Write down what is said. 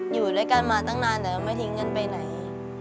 อยู่ด้วยกันมาตั้งนานแล้วไม่ทิ้งกันไปไหน